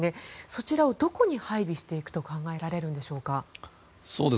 そちらをどこに配備していくと考えられるんでしょうか。